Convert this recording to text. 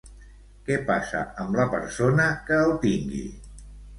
Què passa amb la persona que el tingui?